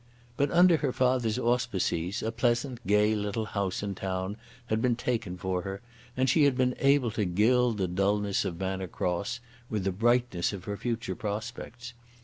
But, under her father's auspices, a pleasant, gay little house in town had been taken for her, and she had been able to gild the dullness of Manor Cross with the brightness of her future prospects.